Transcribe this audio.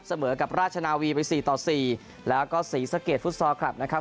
เสมอกับราชนาวีไป๔๔แล้วก็สีสะเกดฟุตซอคลับนะครับ